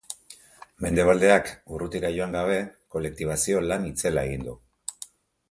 Mendebaldeak, urrutira joan gabe, kolektibazio lan itzela egin du.